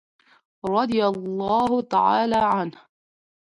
رضي الله تعالی عنه.